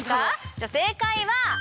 じゃあ正解は。